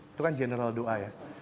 itu kan general doa ya